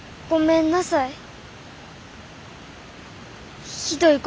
ごめんなさい。